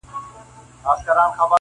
د مېړه يا ترپ دى يا خرپ -